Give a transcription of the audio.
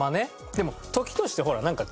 でも時としてほらなんか。